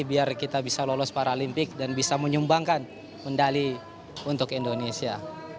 biar kita bisa lolos paralimpik dan bisa menyumbangkan medali untuk indonesia